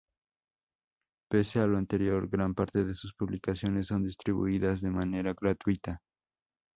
Pese a lo anterior, gran parte de sus publicaciones son distribuidas de manera gratuita.